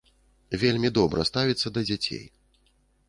Вельмі добра ставіцца да дзяцей.